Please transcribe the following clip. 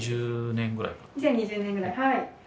２０２０年ぐらい。